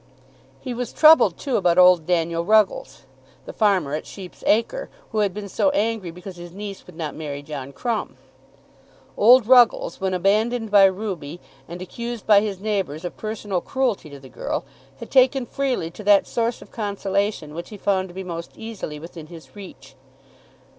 He was troubled, too, about old Daniel Ruggles, the farmer at Sheep's Acre, who had been so angry because his niece would not marry John Crumb. Old Ruggles, when abandoned by Ruby and accused by his neighbours of personal cruelty to the girl, had taken freely to that source of consolation which he found to be most easily within his reach.